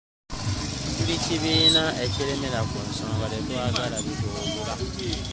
Tuli kibiina ekiremera ku nsonga tetwalagala bituwugula.